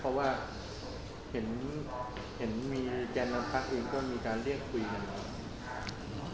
เพราะว่าเห็นมีแจนลำพรรคอื่นมีการเรียกคุยกัน